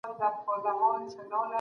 خلګو پرون د عدالت ملاتړ وکړ.